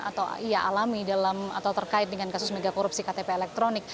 atau ia alami dalam atau terkait dengan kasus mega korupsi